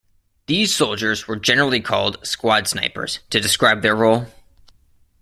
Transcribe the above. These soldiers were generally called "squad snipers" to describe their role.